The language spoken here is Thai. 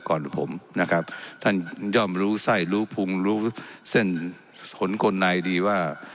ก่อนผมนะครับท่านย่อมรู้ไส้รู้พุงรู้เส้นขนคนในดีว่า